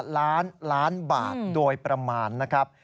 ล้านล้านบาทโดยประมาณนะครับ